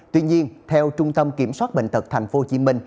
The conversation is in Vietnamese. tuy nhiên theo trung tâm kiểm soát bệnh tật tp hcm